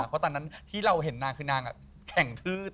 เพราะตอนนั้นที่เราเห็นนางคือนางแข่งทืด